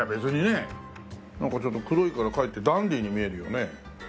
なんかちょっと黒いからかえってダンディーに見えるよね。